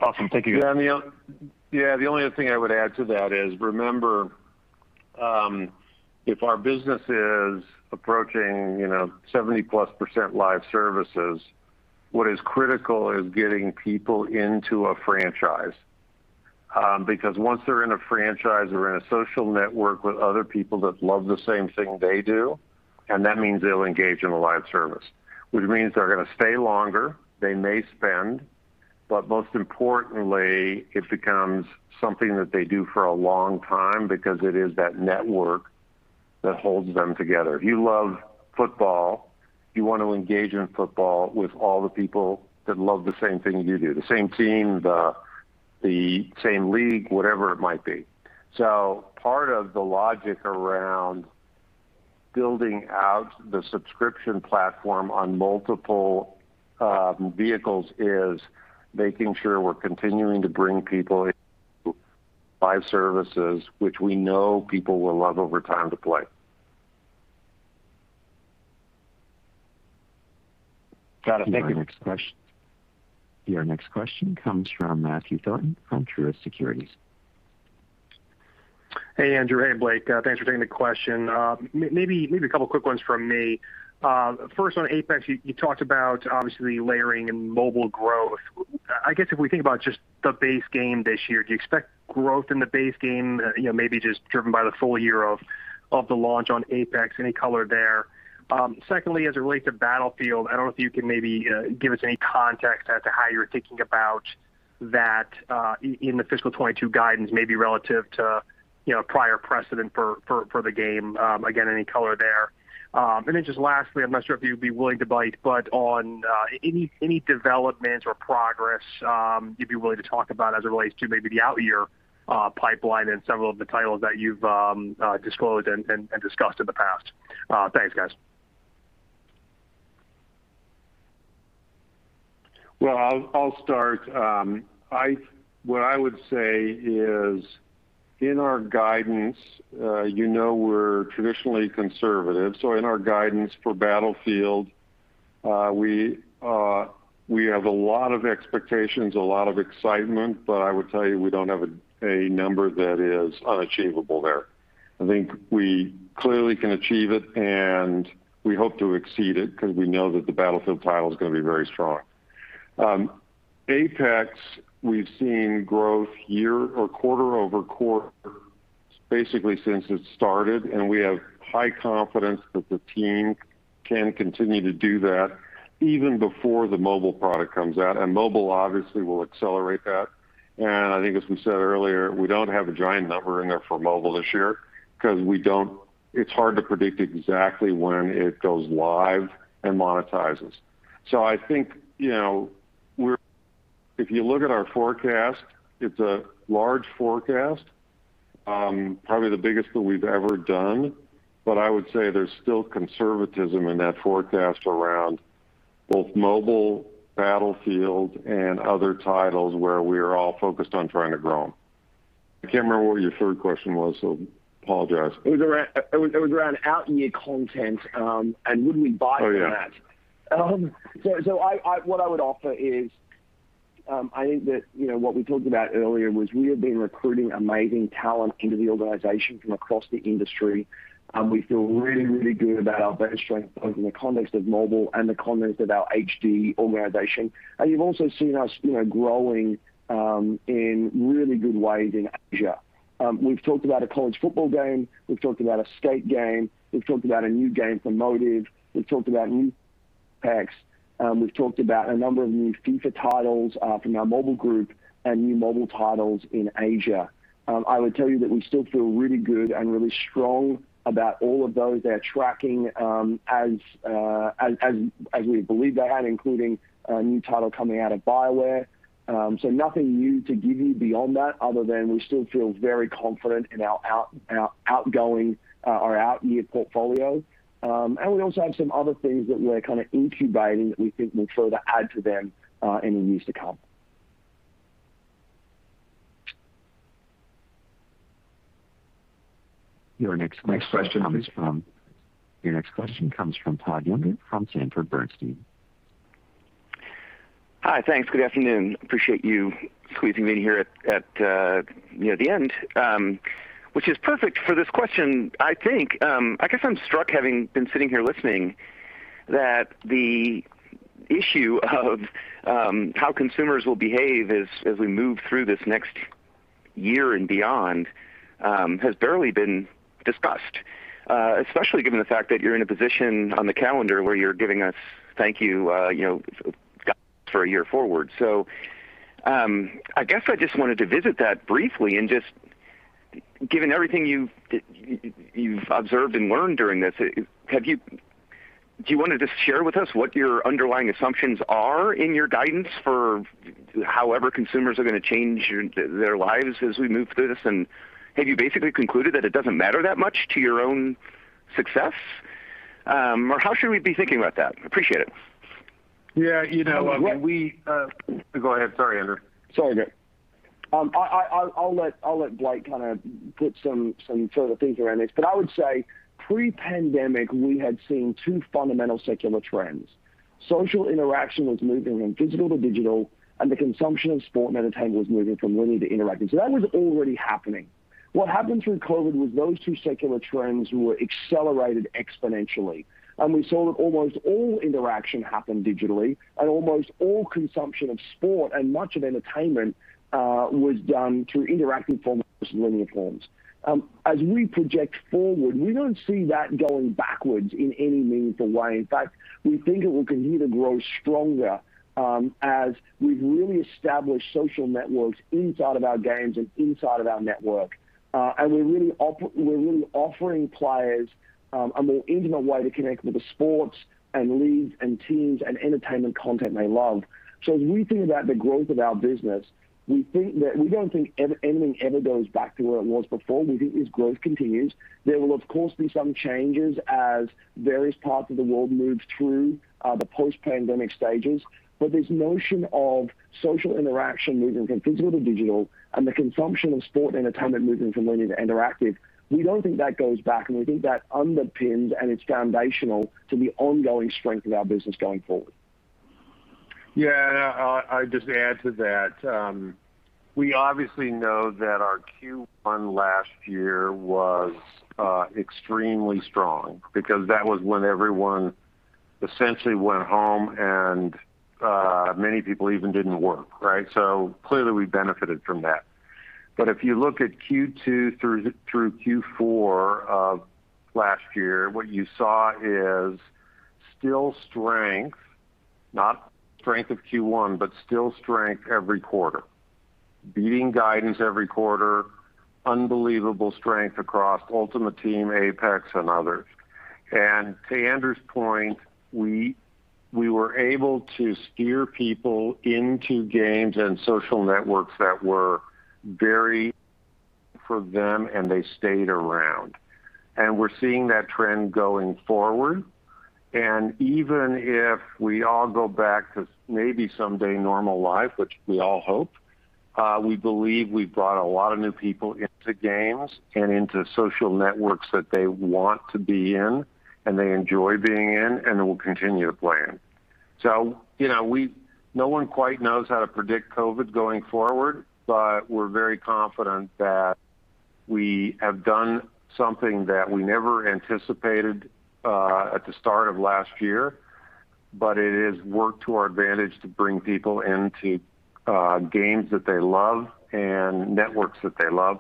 Awesome. Thank you. Yeah. The only thing I would add to that is, remember, if our business is approaching 70%+ live services, what is critical is getting people into a franchise. Because once they're in a franchise or in a social network with other people that love the same thing they do, and that means they'll engage in a live service. Which means they're going to stay longer, they may spend, but most importantly, it becomes something that they do for a long time because it is that network that holds them together. If you love football, you want to engage in football with all the people that love the same thing you do, the same team, the same league, whatever it might be. Part of the logic around building out the subscription platform on multiple vehicles is making sure we're continuing to bring people into live services which we know people will love over time to play. Got it. Thank you. Your next question comes from Matthew Thornton from Truist Securities. Hey, Andrew. Hey, Blake. Thanks for taking the question. Maybe a couple quick ones from me. First on Apex Legends, you talked about obviously layering and mobile growth. I guess if we think about just the base game this year, do you expect growth in the base game maybe just driven by the full-year of the launch on Apex Legends? Any color there. Secondly, as it relates to Battlefield, I don't know if you can maybe give us any context as to how you're thinking about that in the FY 2022 guidance, maybe relative to prior precedent for the game. Again, any color there. Then just lastly, I'm not sure if you'd be willing to bite, but on any developments or progress you'd be willing to talk about as it relates to maybe the out year pipeline and some of the titles that you've disclosed and discussed in the past. Thanks, guys. I'll start. What I would say is in our guidance, you know we're traditionally conservative. In our guidance for Battlefield, we have a lot of expectations, a lot of excitement, but I would tell you we don't have a number that is unachievable there. I think we clearly can achieve it and we hope to exceed it because we know that the Battlefield title is going to be very strong. Apex, we've seen growth quarter-over-quarter basically since it started, and we have high confidence that the team can continue to do that even before the mobile product comes out. Mobile obviously will accelerate that. I think as we said earlier, we don't have a giant number in there for mobile this year because it's hard to predict exactly when it goes live and monetizes. I think if you look at our forecast, it's a large forecast probably the biggest that we've ever done, but I would say there's still conservatism in that forecast around both mobile, Battlefield, and other titles where we are all focused on trying to grow them. I can't remember what your third question was, so apologize. It was around out-year content, and would we bite on that? Oh, yeah. What I would offer is, I think that what we talked about earlier was we have been recruiting amazing talent into the organization from across the industry. We feel really good about our bench strength, both in the context of mobile and the context of our HD organization. You've also seen us growing in really good ways in Asia. We've talked about a college football game, we've talked about a skate game, we've talked about a new game for Motive. Apex. We've talked about a number of new FIFA titles from our mobile group and new mobile titles in Asia. I would tell you that we still feel really good and really strong about all of those. They are tracking as we believe they have, including a new title coming out of BioWare. Nothing new to give you beyond that, other than we still feel very confident in our out-year portfolio. We also have some other things that we're incubating that we think may further add to them in the years to come. Your next question comes from Todd Juenger from Sanford Bernstein. Hi. Thanks. Good afternoon. Appreciate you squeezing me in here at the end, which is perfect for this question, I think. I guess I'm struck, having been sitting here listening, that the issue of how consumers will behave as we move through this next year and beyond has barely been discussed. Especially given the fact that you're in a position on the calendar where you're giving us guidance for a year forward. I guess I just wanted to visit that briefly and just given everything you've observed and learned during this, do you want to just share with us what your underlying assumptions are in your guidance for however consumers are going to change their lives as we move through this? Have you basically concluded that it doesn't matter that much to your own success? How should we be thinking about that? Appreciate it. Yeah. You know, I mean. Go ahead. Sorry, Andrew. Sorry, Blake. I'll let Blake kind of put some sort of think around this. I would say pre-pandemic, we had seen two fundamental secular trends. Social interaction was moving from physical to digital, and the consumption of sport and entertainment was moving from linear to interactive. That was already happening. What happened through COVID was those two secular trends were accelerated exponentially, and we saw that almost all interaction happened digitally and almost all consumption of sport and much of entertainment was done through interactive formats versus linear forms. As we project forward, we don't see that going backwards in any meaningful way. In fact, we think it will continue to grow stronger as we've really established social networks inside of our games and inside of our network. We're really offering players a more intimate way to connect with the sports and leagues and teams and entertainment content they love. As we think about the growth of our business, we don't think anything ever goes back to where it was before. We think this growth continues. There will, of course, be some changes as various parts of the world move through the post-pandemic stages. This notion of social interaction moving from physical to digital and the consumption of sport and entertainment moving from linear to interactive, we don't think that goes back. We think that underpins and it's foundational to the ongoing strength of our business going forward. Yeah. I'd just add to that. We obviously know that our Q1 last year was extremely strong because that was when everyone essentially went home and many people even didn't work. Clearly we benefited from that. If you look at Q2 through Q4 of last year, what you saw is still strength, not strength of Q1, but still strength every quarter. Beating guidance every quarter, unbelievable strength across Ultimate Team, Apex, and others. To Andrew's point, we were able to steer people into games and social networks that were very for them, and they stayed around. We're seeing that trend going forward. Even if we all go back to maybe someday normal life, which we all hope, we believe we've brought a lot of new people into games and into social networks that they want to be in and they enjoy being in and will continue to play in. No one quite knows how to predict COVID going forward, but we're very confident that we have done something that we never anticipated at the start of last year, but it has worked to our advantage to bring people into games that they love and networks that they love,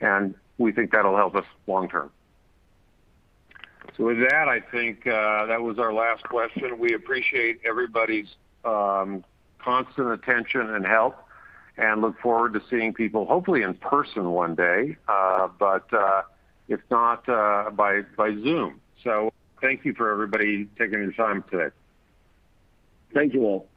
and we think that'll help us long-term. With that, I think that was our last question. We appreciate everybody's constant attention and help and look forward to seeing people hopefully in person one day. If not, by Zoom. Thank you for everybody taking the time today. Thank you all.